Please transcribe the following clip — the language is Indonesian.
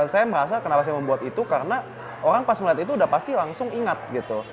saya merasa kenapa saya membuat itu karena orang pas melihat itu udah pasti langsung ingat gitu